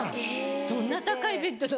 どんな高いベッド？